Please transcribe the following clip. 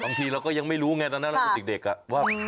บางทีเราก็ยังไม่รู้ไงตอนนั้นเราเป็นเด็กอ่ะว่า